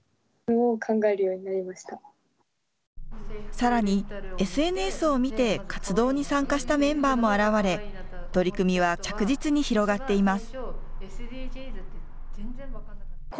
さらにＳＮＳを見て活動に参加したメンバーも現れ取り組みは着実に広がっています。